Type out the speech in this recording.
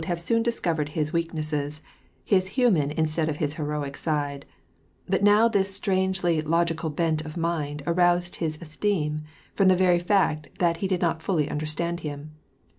have soon discovered his weaknesses, his human instead of his heroic side ; but now this strangely logical bent of mind aroused his esteem, from the very fact that he did not fully understand him.